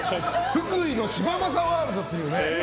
福井の芝政ワールドというね。